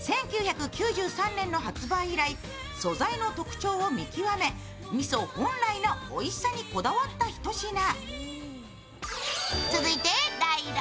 １９９３年の発売以来、素材の特徴を見極め、みそ本来のおいしさにこだわったひと品。